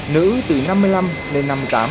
nữ từ năm mươi năm đến năm mươi tám